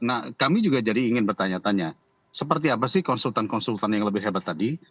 nah kami juga jadi ingin bertanya tanya seperti apa sih konsultan konsultan yang lebih hebat tadi